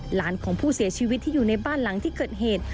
หลานของผู้เสียชีวิตที่อยู่ในบ้านหลังที่เกิดเหตุ